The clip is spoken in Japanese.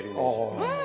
うん。